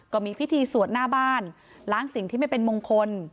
ก็มีพิธีสวดหน้าบ้านล้างสิ่งที่ไม่เป็นมงคล